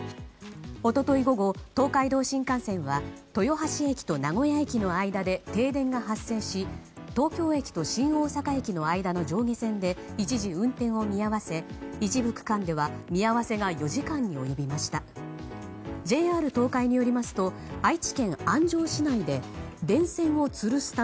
一昨日午後、東海道新幹線は豊橋駅と名古屋駅の間で停電が発生し東京駅と新大阪駅の間の上下線で一時運転を見合わせ一部区間では見合わせが４時間に及びました。